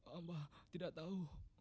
amah tidak tahu